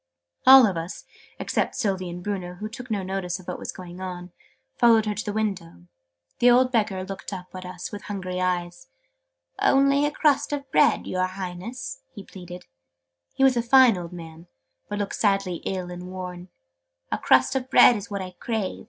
All of us (except Sylvie and Bruno, who took no notice of what was going on) followed her to the window. The old Beggar looked up at us with hungry eyes. "Only a crust of bread, your Highness!" he pleaded. {Image...'Drink this!'} He was a fine old man, but looked sadly ill and worn. "A crust of bread is what I crave!"